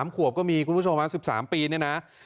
๓ขวบก็มีคุณผู้ชม๑๓ปีเนี่ยนะ